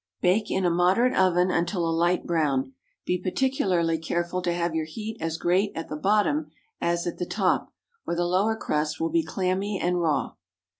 Bake in a moderate oven until a light brown. Be particularly careful to have your heat as great at the bottom as at the top, or the lower crust will be clammy and raw.